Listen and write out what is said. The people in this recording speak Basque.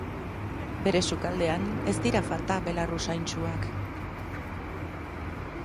Bere sukaldean ez dira falta belar usaintsuak.